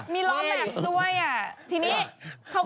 มีล้อแมคด้วย